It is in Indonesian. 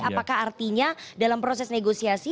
apakah artinya dalam proses negosiasi